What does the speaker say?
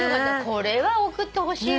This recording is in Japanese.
これは送ってほしいわ。